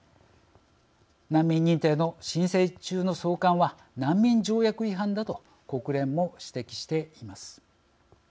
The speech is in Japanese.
難民認定の申請中の送還は難民条約違反だと国連も指摘しています。